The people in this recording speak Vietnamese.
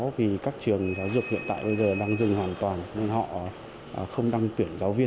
vì các trường giáo dục hiện tại bây giờ đang dừng hoàn toàn nên họ không đăng tuyển giáo viên